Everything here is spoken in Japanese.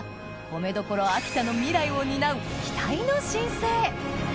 米どころ秋田の未来を担う期待の新星